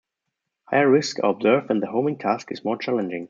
Higher risks are observed when the homing task is more challenging.